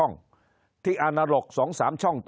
คนในวงการสื่อ๓๐องค์กร